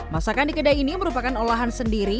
masakan di kedai ini merupakan olahan sendiri